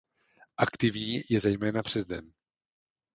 Aktivní je zejména přes den.